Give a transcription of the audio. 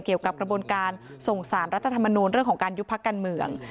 เกี่ยวกับกระบวนการส่งสารรัฐธรรมนูลเรื่องของการยุบพักการเมือง